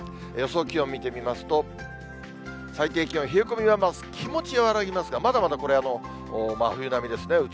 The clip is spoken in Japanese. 予想気温見てみますと、最低気温、冷え込みは気持ち和らぎますが、まだまだこれ、真冬並みですね。